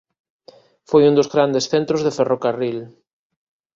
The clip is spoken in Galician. Foi un dos grandes centros de ferrocarril.